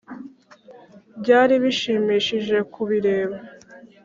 byari bishimishije ku bireba.